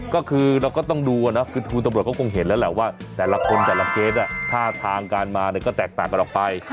ก็คือเราก็ต้องดูนะคือคุณตำรวจก็คงเห็นแล้วแหละว่าแต่ละคนแต่ละเคสท่าทางการมาก็แตกต่างกันออกไป